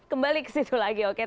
kembali ke situ lagi oke